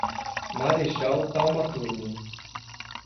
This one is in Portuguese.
Marechal Thaumaturgo